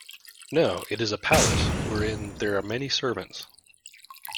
No, it is a palace, wherein there are many servants.